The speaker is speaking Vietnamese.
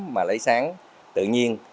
mà lấy sáng tự nhiên